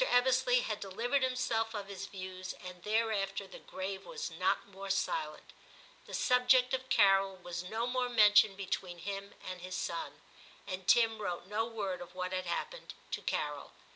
Ebbesley had delivered himself of his views, and thereafter the grave was not more silent ; the subject of Carol was no more mentioned between him and his son. And Tim wrote no word of what had happened to Carol.